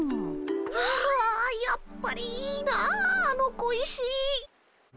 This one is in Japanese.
あやっぱりいいなあの小石。